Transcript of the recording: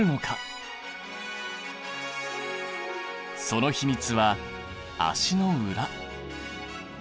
その秘密は足の裏。